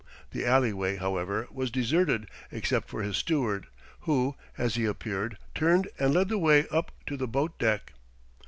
The alleyway, however, was deserted except for his steward; who, as he appeared, turned and led the way up to the boat deck.